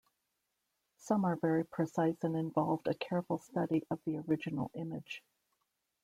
Some are very precise and involve a careful study of the original image.